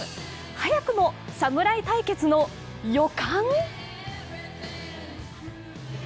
早くも侍対決の予感？